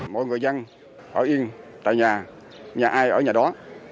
mọi người dân họ yên tại nhà nhà ai ở nhà đó